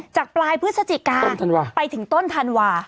จากปลายพฤศจิกาไปถึงต้นธันวา